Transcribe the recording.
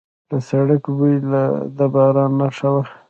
د سړک بوی د باران نښه وه.